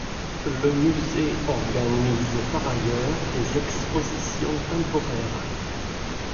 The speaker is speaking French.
Le musée organise par ailleurs des expositions temporaires.